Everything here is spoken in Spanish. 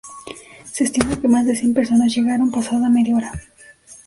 Se estimó que más de cien personas llegaron pasada media hora.